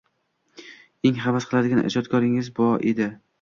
Eng havas qiladigan ijodkoringiz bo edi.